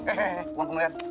he he he uang kembalian